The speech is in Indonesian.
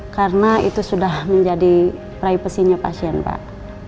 karena itu sudah menjadi pripesinnya pasien pak